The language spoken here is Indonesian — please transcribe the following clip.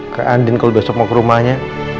ke andin kalau besok mau ke rumahnya